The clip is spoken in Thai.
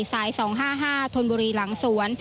ซ้าย๒๕๕ทนบุรีหลังสวน